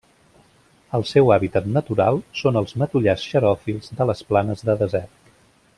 El seu hàbitat natural són els matollars xeròfils de les planes de desert.